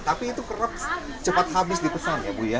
tapi itu kerap cepat habis dipesan ya bu ya